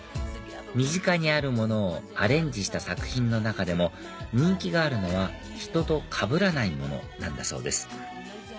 身近にあるものをアレンジした作品の中でも人気があるのはひととかぶらないものなんだそうです